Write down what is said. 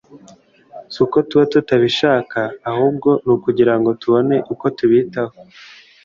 si uko tuba tubishaka ahubwo ni ukugira ngo tubone uko tubaho